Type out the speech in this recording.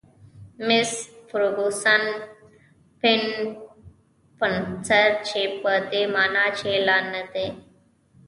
میس فرګوسن: 'pan encore' چې په دې مانا چې لا نه دي.